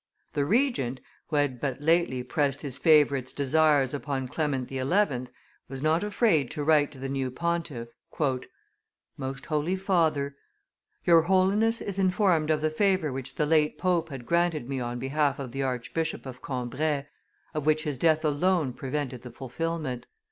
The Regent, who had but lately pressed his favorite's desires upon Clement XI., was not afraid to write to the new pontiff "MOST HOLY FATHER, "Your Holiness is informed of the favor which the late pope had granted me on behalf of the Archbishop of Cambrai, of which his death alone prevented the fulfilment.